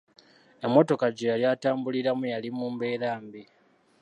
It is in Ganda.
Emmotoka gye yali atambuliramu yali mu mbeera mbi.